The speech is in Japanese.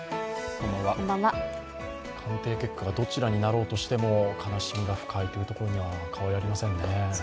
鑑定結果がどちらになろうとしても悲しみが深いというところには変わりありませんね。